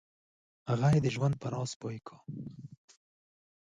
هغوی یې د ژوند په راز پوه کړه.